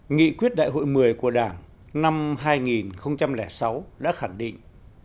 nghị quyết đại hội một mươi của đảng năm hai nghìn sáu đã khẳng định